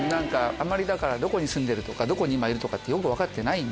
だからどこに住んでるとかどこに今いるとか分かってない。